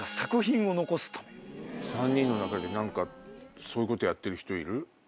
３人の中で何かそういうことやってる人いる？